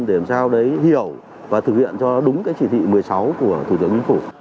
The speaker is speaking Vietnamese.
để làm sao để hiểu và thực hiện cho đúng cái chỉ thị một mươi sáu của thủ tướng